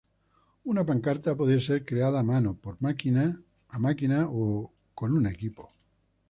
Una pancarta puede ser creada a mano, por máquina o en un equipo.